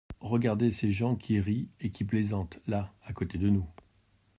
Regardez ces gens qui rient et qui plaisantent, là, à côté de nous.